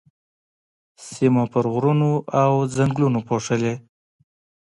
سيمه پر غرونو او ځنګلونو پوښلې.